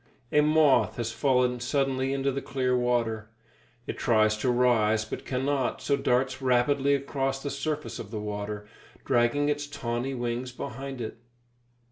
A moth has fallen suddenly into the clear water. It tries to rise, but cannot, so darts rapidly across the surface of the water, dragging its tawny wings behind it.